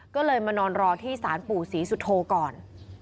ก็เลยมานอนรอที่สารปู่ศรีสุโธก่อน